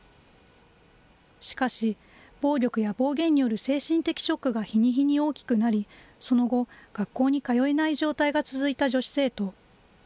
しかし、暴力や暴言による精神的ショックが日に日に大きくなり、その後、学校に通えない状態が続いた女子生徒。